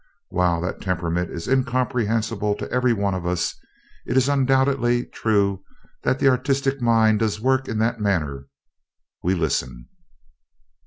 "While that temperament is incomprehensible to every one of us, it is undoubtedly true that the artistic mind does work in that manner. We listen."